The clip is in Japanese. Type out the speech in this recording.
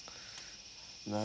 何？